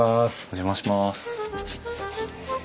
お邪魔します。